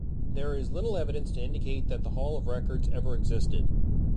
There is little evidence to indicate that the Hall of Records ever existed.